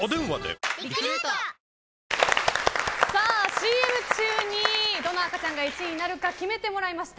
ＣＭ中にどの赤ちゃんが１位になるか決めてもらいました。